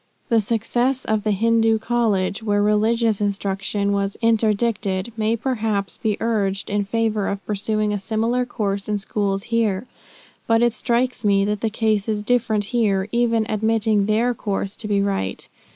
"The success of the Hindoo College, where religious instruction was interdicted, may perhaps be urged in favor of pursuing a similar course in schools here. But it strikes me, that the case is different here, even admitting their course to be right.